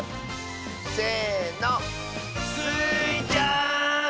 せの！スイちゃん！